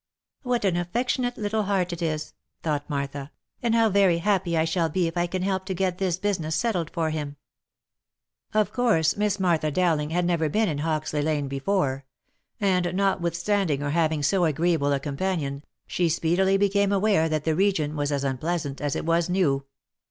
" What an. affectionate little heart it is !" thought Martha, " and how very happy I shall be if I can help to get this business settled for him !" Of course Miss Martha Dowling had never been in Hoxley lane before; and notwithstanding her having so agreeable a companion, she speedily became aware that the region was as unpleasant as it was new.